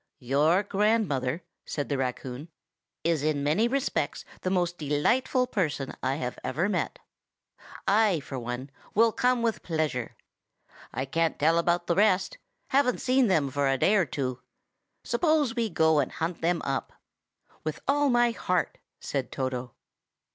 "Your grandmother," said the raccoon, "is in many respects the most delightful person I have ever met. I, for one, will come with pleasure. I can't tell about the rest; haven't seen them for a day or two. Suppose we go and hunt them up." "With all my heart!" said Toto.